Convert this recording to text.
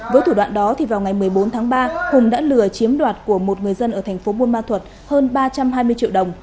với thủ đoạn đó thì vào ngày một mươi bốn tháng ba hùng đã lừa chiếm đoạt của một người dân ở thành phố buôn ma thuật hơn ba trăm hai mươi triệu đồng